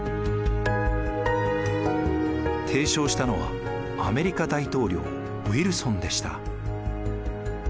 提唱したのはアメリカ大統領ウィルソンでした。